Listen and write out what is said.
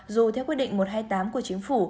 dù theo quyết định một trăm hai mươi tám của chính phủ